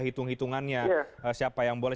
hitung hitungannya siapa yang boleh